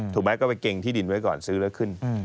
ถูกไหมก็ไปเกรงที่ดินไว้ก่อนซื้อแล้วขึ้น